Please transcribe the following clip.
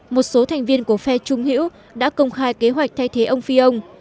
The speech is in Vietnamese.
một số thành viên của phe trung hữu đã công khai kế hoạch thay thế ông fillon